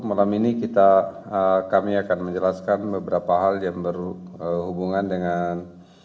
malam ini kami akan menjelaskan beberapa hal yang berhubungan dengan